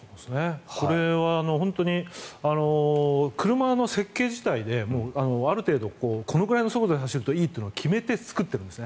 これは本当に車の設計自体でもうある程度このぐらいの速度で走るといいというのを決めて作ってるんです。